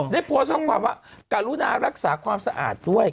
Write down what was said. ได้โพสต์ข้อความว่าการุณารักษาความสะอาดด้วย